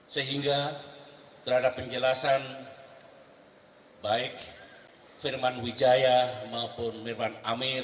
sehingga terhadap penjelasan baik firman wijaya maupun mirman amir